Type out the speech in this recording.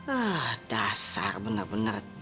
ah dasar benar benar